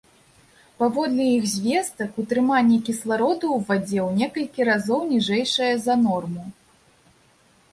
Паводле іх звестак, утрыманне кіслароду ў вадзе ў некалькі разоў ніжэйшае за норму.